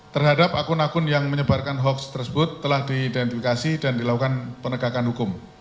terhadap akun akun yang menyebarkan hoax tersebut telah diidentifikasi dan dilakukan penegakan hukum